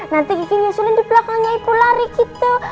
nanti gigi nyusulin di belakangnya ibu lari gitu